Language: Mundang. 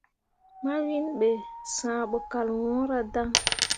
Mawiŋ be, sããh bo kal wɲǝǝra dan.